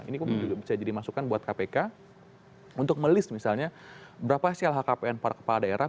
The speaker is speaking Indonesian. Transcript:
ini kemudian juga bisa jadi masukan buat kpk untuk melis misalnya berapa sih lhkpn para kepala daerah